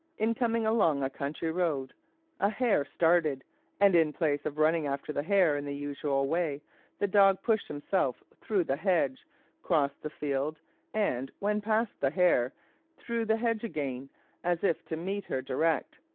In coming along a country road a hare started, and in place of running after the hare in the usual way, the dog pushed himself through the hedge, crossed the field, and, when past the hare, through the hedge again, as if to meet her direct.